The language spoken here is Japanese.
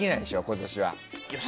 今年は。